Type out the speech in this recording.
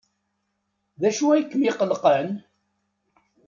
D acu ay kem-iqellqen?